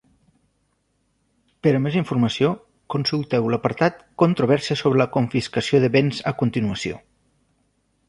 Per a més informació, consulteu l'apartat controvèrsia sobre la confiscació de béns a continuació.